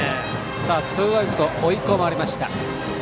ツーアウトと追い込まれました。